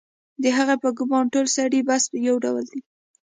د هغې په ګومان ټول سړي بس یو ډول دي